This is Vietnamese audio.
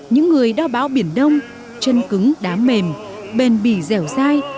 những người đo báo biển đông chân cứng đá mềm bền bì dẻo dai